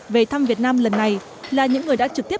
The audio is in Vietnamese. về thăm việt nam lần này là những người đã trực tiếp